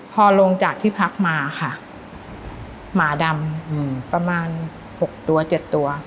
พอลงจากที่พักมาค่ะหมาดำประมาณ๖ตัว๗ตัว